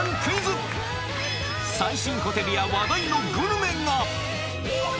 最新ホテルや話題のグルメが！